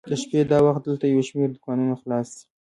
د شپې دا وخت دلته یو شمېر دوکانونه خلاص دي.